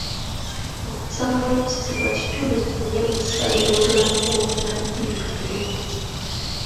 Okusaba n'okusiiba kitundu ku neeyisa y'obulamu bw'omunnadddiini omulungi.